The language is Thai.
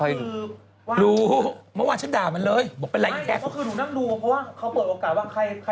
อ่านว่ามันเพิ่งเปิดโอกาสว่า